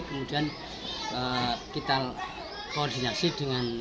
kemudian kita koordinasi dengan